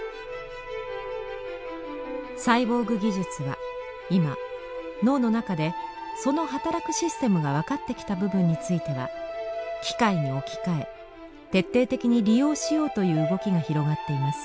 サイボーグ技術は今脳の中でその働くシステムが分かってきた部分については機械に置き換え徹底的に利用しようという動きが広がっています。